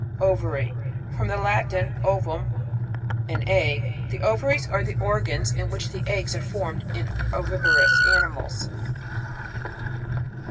OvART. — From the Latin, ovum^ an egg» The ovaries are the organs in which the eggs are formed in oviparous animals.